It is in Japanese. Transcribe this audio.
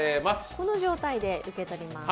この状態で受け取ります。